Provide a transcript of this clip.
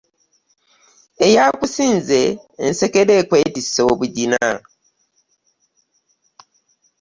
Eyakusinze ensekere ekwetissa omujina .